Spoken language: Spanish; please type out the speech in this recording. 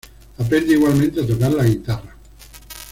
Aprende igualmente a tocar la guitarra.